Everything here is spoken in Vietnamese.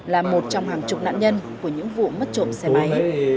là một trong hàng chục nạn nhân của những vụ mất trộm xe máy